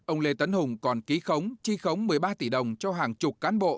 ông lê tấn hùng còn ký khống chi khống một mươi ba tỷ đồng cho hàng chục cán bộ